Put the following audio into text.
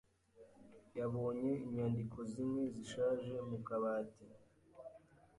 Yabonye inyandiko zimwe zishaje mu kabati.